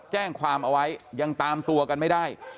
แจ้งความเอาไว้ยังตามตัวกันไม่ได้